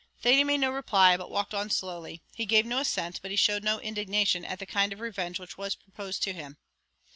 Thady made no reply, but walked on slowly; he gave no assent, but he showed no indignation at the kind of revenge which was proposed to him.